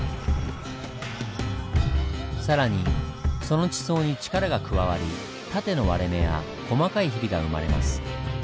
更にその地層に力が加わり縦の割れ目や細かいヒビが生まれます。